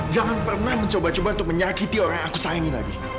jangan pernah mencoba coba untuk menyakiti orang yang aku sayangin lagi